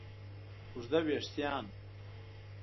اوږده وېښتیان